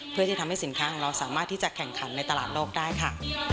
เพื่อที่ทำให้สินค้าของเราสามารถที่จะแข่งขันในตลาดโลกได้ค่ะ